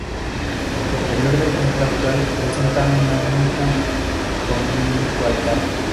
En el interior del templo actual presenta una única con un único altar.